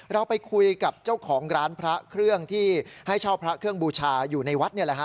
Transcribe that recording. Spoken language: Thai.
เราไปคุยกับเจ้าของร้านพระเครื่องที่ให้เช่าพระเครื่องบูชาอยู่ในวัดนี่แหละฮะ